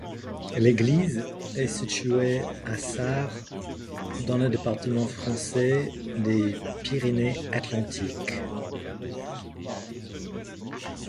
L'église est située à Sare, dans le département français des Pyrénées-Atlantiques.